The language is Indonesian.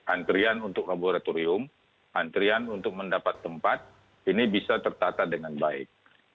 antrian untuk laboratorium antrian untuk mendapat tempat ini bisa tertata dengan baik